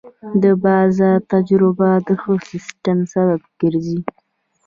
د بازار تجربه د ښه تصمیم سبب ګرځي.